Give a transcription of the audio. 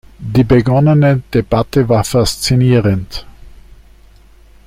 Die begonnene Debatte war faszinierend.